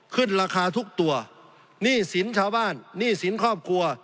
ขึ้นราคาทุกตัวหนี้สินชาวบ้านหนี้สินครอบครัว